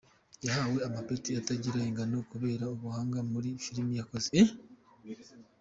Yahawe amapeti atagira ingano kubera ubuhanga muri filime yakoze.